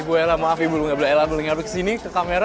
ibu ella maaf ibu belum ngabuk ella boleh ngabuk ke sini ke kamera